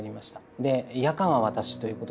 で夜間は私ということで。